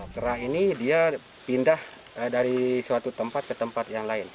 kerah ini dia pindah dari suatu tempat ke tempat yang lain